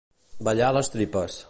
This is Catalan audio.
Ballar les tripes.